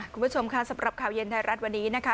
คุณผู้ชมค่ะสำหรับข่าวเย็นไทยรัฐวันนี้นะคะ